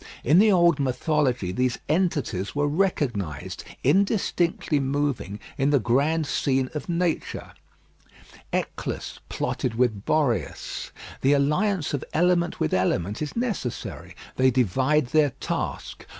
In the old mythology these entities were recognised, indistinctly moving, in the grand scene of nature. Eolus plotted with Boreas. The alliance of element with element is necessary; they divide their task.